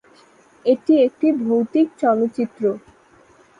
এটি একটি ভৌতিক চলচ্চিত্র।